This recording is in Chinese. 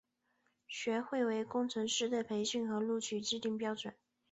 学会为工程师的培训和录取制定标准。